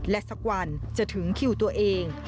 และสักวันจะถึงคิวตัวเอง